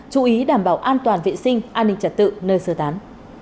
chú ý đảm bảo an toàn vệ sinh an ninh trật tự nơi sơ tán